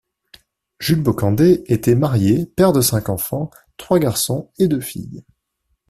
Jules Bocandé était marié, père de cinq enfants, trois garçons et deux filles.